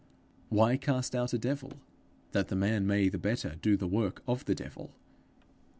Why cast out a devil that the man may the better do the work of the devil?